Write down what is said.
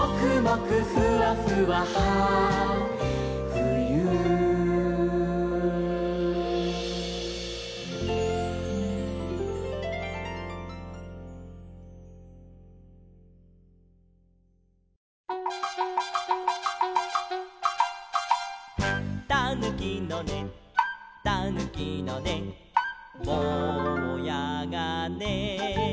ふーふーふー」「たぬきのねたぬきのねぼうやがね」